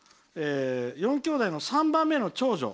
４きょうだいの３番目の長女。